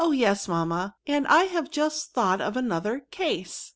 yes, mamma, and I have just thought of another ccise.